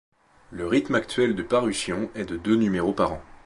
Le rythme actuel de parution est de deux numéros par an.